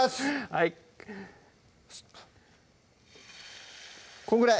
はいこんぐらい？